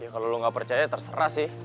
ya kalo lo gak percaya terserah sih